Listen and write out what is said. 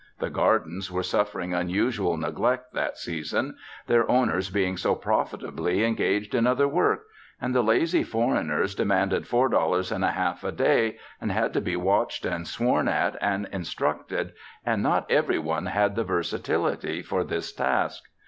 The gardens were suffering unusual neglect that season their owners being so profitably engaged in other work and the lazy foreigners demanded four dollars and a half a day and had to be watched and sworn at and instructed, and not every one had the versatility for this task.